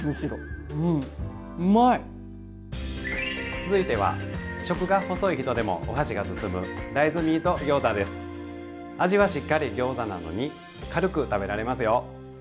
続いては食が細い人でもお箸が進む味はしっかりギョーザなのに軽く食べられますよ。